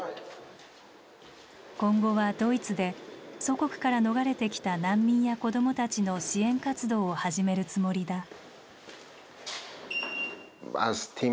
今後はドイツで祖国から逃れてきた難民や子供たちの支援活動を始めるつもりだ。